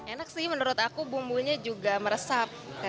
enak sih menurut aku bumbunya juga meresap